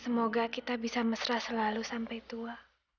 semoga kita bisa mesra selalu sampai tua